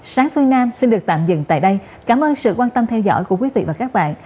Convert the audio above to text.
sáng phương nam xin được tạm dừng tại đây cảm ơn sự quan tâm theo dõi của quý vị và các bạn